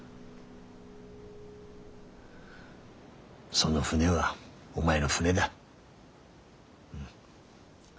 その船はお前の船だ。